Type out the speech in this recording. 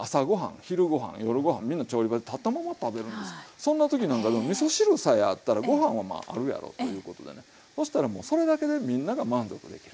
そんな時なんかでもみそ汁さえあったらご飯はまああるやろうということでねそしたらもうそれだけでみんなが満足できる。